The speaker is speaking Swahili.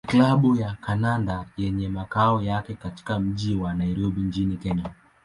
ni klabu ya kandanda yenye makao yake katika mji wa Nairobi nchini Kenya.